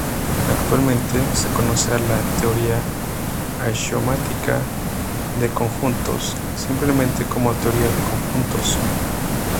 Actualmente, se conoce a la "teoría axiomática de conjuntos" simplemente como "teoría de conjuntos".